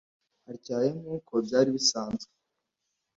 atyaye nkuko byari bisanzwe.